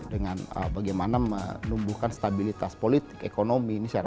dengan bagaimana menumbuhkan stabilitas politik ekonomi dan kepentingan